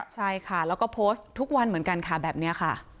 ใช่ค่ะแล้วก็โพสต์ทุกวันเหมือนกันค่ะแบบนี้ค่ะ